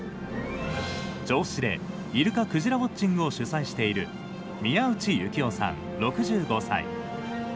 銚子でイルカ・クジラウォッチングを主催している宮内幸雄さん、６５歳。